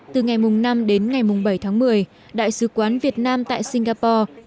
từ ngày năm đến ngày bảy tháng một mươi đại sứ quán việt nam đã tổ chức trọng thể lễ viếng và mở sổ tăng